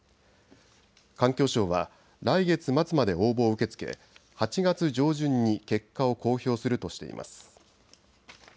環境省は来月末まで応募を受け付け８月上旬に結果を公表するとしています。